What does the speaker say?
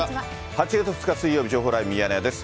８月２日水曜日、情報ライブミヤネ屋です。